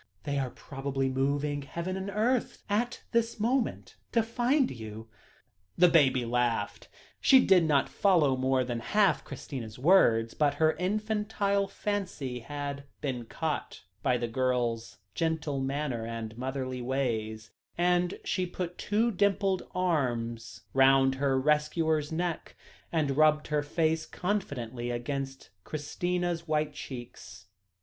They are probably moving heaven and earth at this moment to find you." The baby laughed. She did not follow more than half Christina's words, but her infantile fancy had been caught by the girl's gentle manner and motherly ways, and she put two dimpled arms round her rescuer's neck, and rubbed her face confidently against Christina's white cheeks.